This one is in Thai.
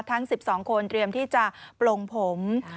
ทั้ง๑๒คนเตรียมที่จะปลงผม